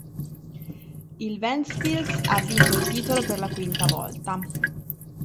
Il Ventspils ha vinto il titolo per la quinta volta.